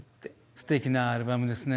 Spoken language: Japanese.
すてきなアルバムですね。